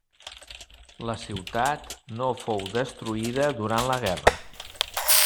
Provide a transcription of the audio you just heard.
La ciutat no fou destruïda durant la guerra.